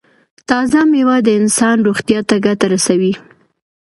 تازه میوه د انسان روغتیا ته ګټه رسوي.